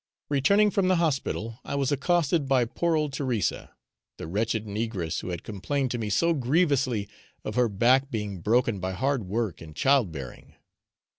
Returning from the hospital I was accosted by poor old Teresa, the wretched negress who had complained to me so grievously of her back being broken by hard work and child bearing.